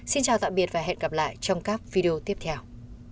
xin chào tạm biệt và hẹn gặp lại trong các video tiếp theo